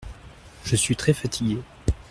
Je suis très fatigué.